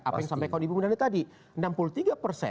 apa yang saya katakan di pembunuhan tadi